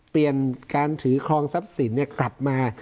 เปลี่ยนการถือครองทรัพย์สินกลับมา